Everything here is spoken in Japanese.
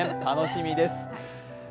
楽しみです。